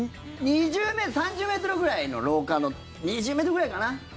２０ｍ、３０ｍくらいの廊下の２０ｍくらいかな？